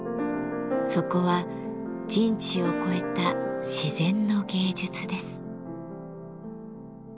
そこは人知を超えた自然の芸術です。